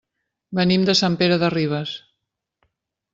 Venim de Sant Pere de Ribes.